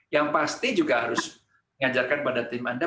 yang pasti juga harus mengajarkan pada tim anda